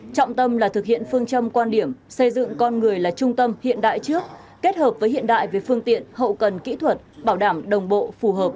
trọng tâm là thực hiện phương châm quan điểm xây dựng con người là trung tâm hiện đại trước kết hợp với hiện đại về phương tiện hậu cần kỹ thuật bảo đảm đồng bộ phù hợp